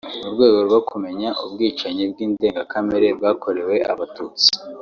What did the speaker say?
mu rwego rwo kumenya ubwicanyi bw’indengakamere bwakorewe Abatutsi